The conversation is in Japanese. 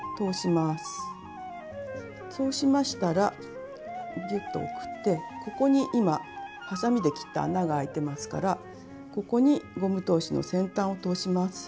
そうしましたらぎゅっと送ってここに今はさみで切った穴があいてますからここにゴム通しの先端を通します。